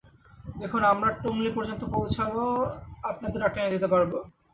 দেখুন আমরা টংলি পর্যন্ত পৌঁছালো আপনাদের ডাক্তার এনে দিতে পারবো।